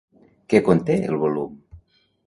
Què conté el volum?